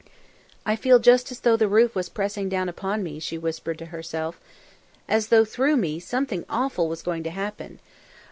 "I feel just as though the roof was pressing down upon me," she whispered to herself. "As though, through me, something awful was going to happen.